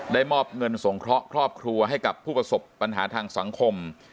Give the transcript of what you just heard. มอบเงินสงเคราะห์ครอบครัวให้กับผู้ประสบปัญหาทางสังคม